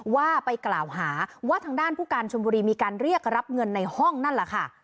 ว่าไปกล่าวหาว่าทางด้านผู้การชนบุรีมีการเรียกรับเงินในห้องนั่นแหละค่ะ